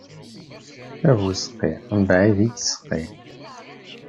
Abuseqqi mebɛid i yettseqqi.